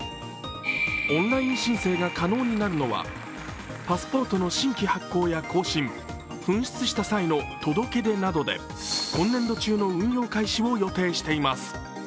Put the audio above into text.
オンライン申請が可能になるのはパスポートの新規発行や更新紛失した際の届出などで今年度中の運用開始を予定しています。